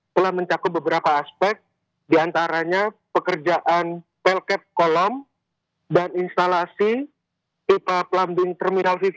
telah mencakup beberapa aspek diantaranya pekerjaan pelket kolom dan instalasi tipe plumbing terminal vvip